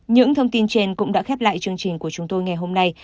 những thông tin trên cũng đã khép lại chương trình của chúng tôi ngày hôm nay